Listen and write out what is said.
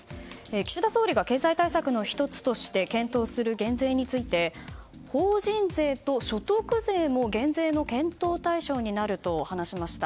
岸田総理が経済対策の１つとして検討する減税について法人税と所得税も減税の検討対象になると話しました。